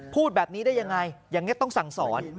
พูดแบบนี้ได้ยังไงอย่างนี้ต้องสั่งสอน